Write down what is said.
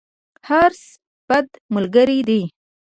حرص، بد ملګری دی.